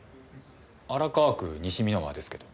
荒川区西三ノ輪ですけど。